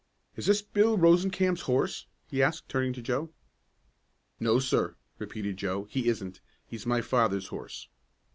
"Is this Bill Rosencamp's horse?" he asked, turning to Joe. "No, sir!" repeated Joe. "He isn't. He's my father's horse."